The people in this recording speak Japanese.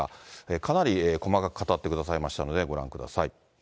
かなり細かく語ってくださいましたので、ご覧ください。